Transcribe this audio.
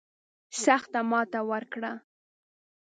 سخته ماته ورکړه.